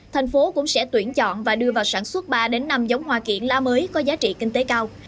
thành phố cũng sẽ tuyển chọn và đưa vào sản xuất ba năm giống hoa kiển lá mới có giá trị kinh tế cao